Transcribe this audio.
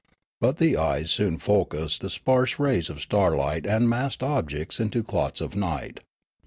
But the e5^es soon focussed the sparse rays of starlight and massed objects into clots of night.